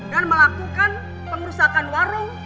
dan melakukan pengerusakan warung